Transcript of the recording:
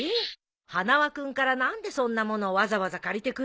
花輪君から何でそんな物わざわざ借りてくるのよ。